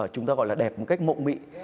chúng ta gọi là đẹp một cách mộng mị